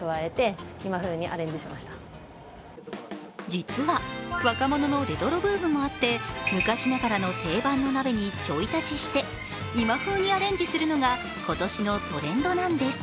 実は若者のレトロブームもあって、昔ながらの定番の鍋にちょい足しして今風にアレンジするのが今年のトレンドなんです。